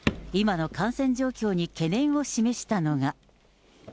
今の感染状況に懸念を示したのが。